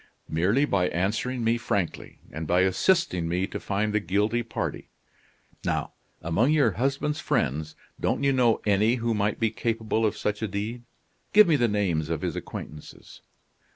"Merely by answering me frankly, and by assisting me to find the guilty party. Now, among your husband's friends, don't you know any who might be capable of such a deed? Give me the names of his acquaintances."